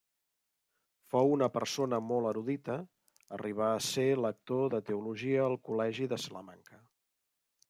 Fou una persona molt erudita, arribà a ser lector de Teologia al Col·legi de Salamanca.